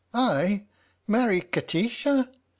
"I marry Kati sha!"